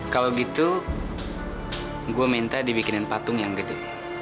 kalau gitu gue minta dibikinin patung yang gede